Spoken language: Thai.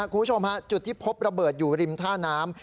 คุณผู้ชมฮะจุดที่พบระเบิดอยู่ริมท่าน้ำ